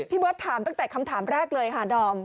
พี่เบิ้ลต้องแต่คำถามแรกเลยค่ะดอม